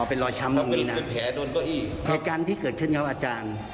เป็นรอยช้ำตรงนี้น่ะเป็นแผลโดนเก้าอี้ในการที่เกิดขึ้นครับอาจารย์